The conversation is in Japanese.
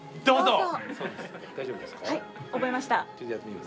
どうぞ！